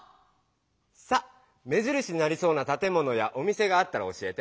さあ目じるしになりそうなたてものやお店があったら教えて。